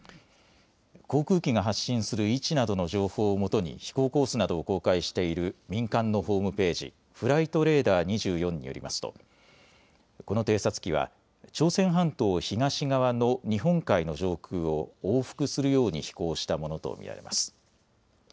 航空機が発信する位置などの情報をもとに飛行コースなどを公開している民間のホームページ、フライトレーダー２４によりますとこの偵察機は朝鮮半島東側の日本海の上空を往復するように飛行したものと見られます。